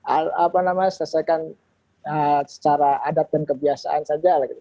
apa namanya diselesaikan secara adat dan kebiasaan saja lah gitu